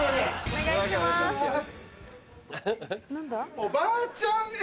おばあちゃん Ａ